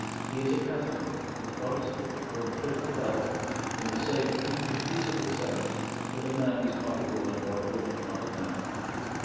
He is a Catholic, a Protestant, or a Plymouth Brother, in the same indefeasible sense that a man is not a woman, or a woman not a man.